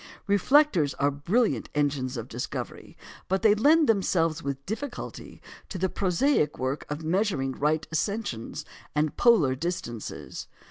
Reflectors are brilliant engines of discovery, but they lend themselves with difficulty to the prosaic work of measuring right ascensions and polar distances.